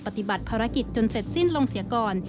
ปฏิบัติภารกิจจนเสร็จสิ้นลงเสียก่อน